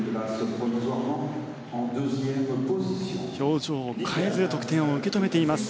表情を変えず得点を受け止めています